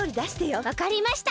わかりました！